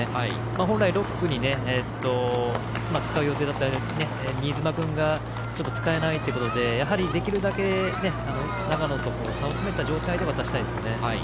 本来、６区に使う予定だった新妻君がちょっと使えないということでできるだけ長野と差を詰めた状態で渡したいですよね。